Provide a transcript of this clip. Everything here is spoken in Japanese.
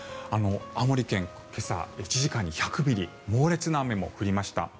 青森県、今朝１時間に１００ミリ猛烈な雨も降りました。